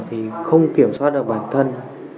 thì không kiểm soát được bản thân